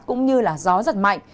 cũng như gió giật mạnh